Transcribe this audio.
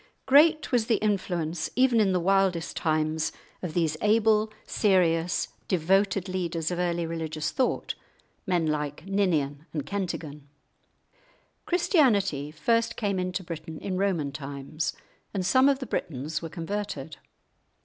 Great was the influence, even in the wildest times, of these able, serious, devoted leaders of early religious thought, men like Ninian and Kentigern. Christianity first came into Britain in Roman times, and some of the Britons were converted.